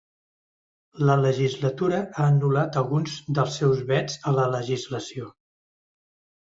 La legislatura ha anul·lat alguns dels seus vets a la legislació.